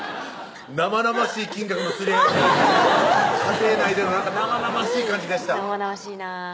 生々しい金額のつり上げ方家庭内での生々しい感じがした生々しいなぁ